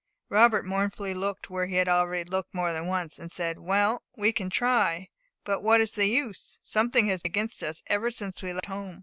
Robert mournfully looked, where he had already looked more than once, and said, "Well, we can try. But what is the use? something has been against us ever since we left home.